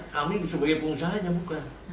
kami sebagai pengusaha hanya bukan